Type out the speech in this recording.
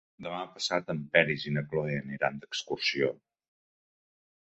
Demà passat en Peris i na Cloè aniran d'excursió.